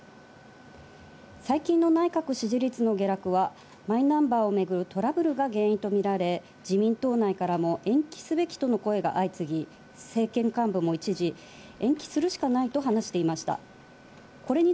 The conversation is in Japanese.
最近の内閣支持率の下落はマイナンバーを巡るトラブルが原因とみられ、自民党内からも延期すべきとの声が相次ぎ、政権幹部も一時、延期するしかないと話していました。